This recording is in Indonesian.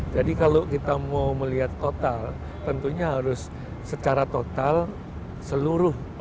jadi kalau kita mau melihat total tentunya harus secara total seluruh kapal